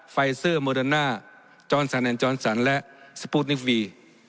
ไฟเซอร์โมเดินนาจอลสันเอนจอลสันแล้วสปูทนิฟท์ฟี